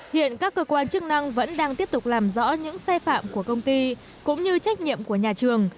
hiện các cơ quan chức năng vẫn đang tiếp tục làm rõ những sai phạm của công ty cũng như trách nhiệm của nhà trường